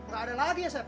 gak ada lagi ya sep